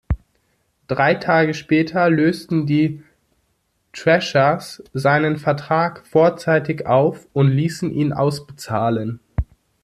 Drei Tage später lösten die Thrashers seinen Vertrag vorzeitig auf und ließen ihn ausbezahlen.